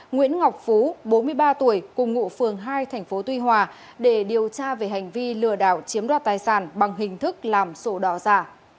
nguyễn ngọc phú bốn mươi ba tuổi cùng ngụ phường hai tp tuy hòa để điều tra về hành vi lừa đảo chiếm đoạt tài sản bằng hình thức làm sổ đỏ giả